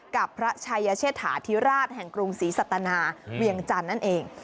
กับพระชัยเชษฐาธิราชแห่งกรุงศรีสัตนาเวียงจันทร์นั่นเอง